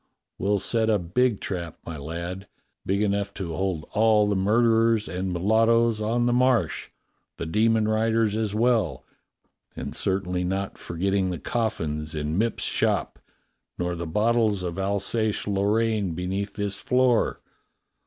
We'll set a big trap, my lad — big enough to hold all the murderers and mulattoes on the Marsh, the demon riders as well, and certainly not A CURIOUS BREAKFAST PARTY 157 forgetting the coffins in Mipps's shop nor the bottles of Alsace Lorraine beneath this floor.